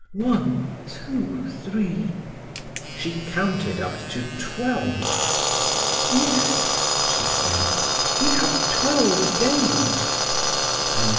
"One, two, three " She counted up to twelve. "Yes," she said, "we have twelve days." "And after?"